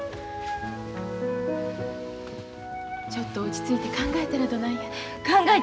ちょっと落ち着いて考えたらどないやねん。